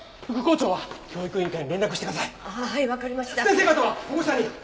副校長は教育委員会に連絡してください。